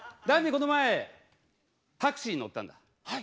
この前タクシーに乗ったんだ。